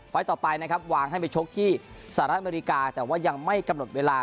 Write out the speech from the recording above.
ต่อไปนะครับวางให้ไปชกที่สหรัฐอเมริกาแต่ว่ายังไม่กำหนดเวลา